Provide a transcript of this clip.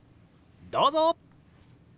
どうぞ！